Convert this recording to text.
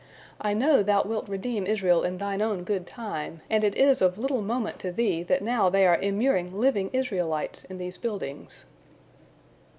I know Thou wilt redeem Israel in Thine own good time, and it is of little moment to Thee that now they are immuring living Israelites in these buildings."